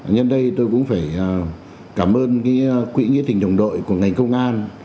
nhân đây tôi cũng phải cảm ơn quỹ nghĩa tình đồng đội của ngành công an